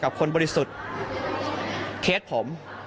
ชอบฟุตบอลทีมโปรดก็นี่แหละสโมสรการท่าเรือ